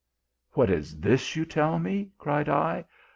" What is this you tell me ! cried I.